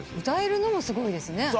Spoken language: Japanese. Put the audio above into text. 歌えるのもすごいですね。